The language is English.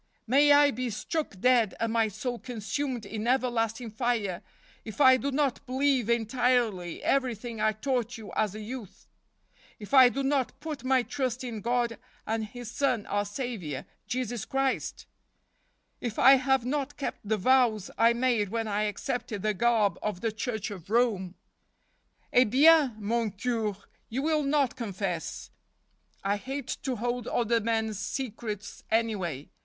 May I be struck dead and my soul consumed in everlasting fire if I do not believe entirely every¬ thing I taught you as a youth; if I do not put my trust in God and His Son, Our Saviour, Jesus Christ: if I have not kept the vows I made when I accepted the garb of the Church of Rome." " Eh bien, mon Cure; you will not confess. I hate to hold other men's secrets, anyway.